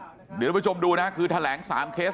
เดี๋ยวเราไปชมดูนะคือแถลงสามเคส